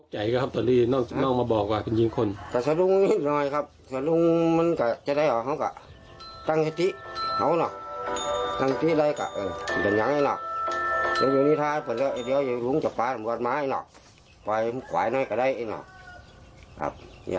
แต่สาเหตุแบบผู้ก็ครับสาเหตุตรวนี่น้ะแต่ต้องใช้ให้เป็นคนเทียบกฏก็ได้ครับ